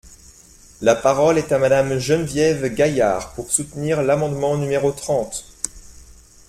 La parole est à Madame Geneviève Gaillard, pour soutenir l’amendement numéro trente.